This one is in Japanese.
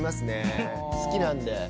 好きなんで。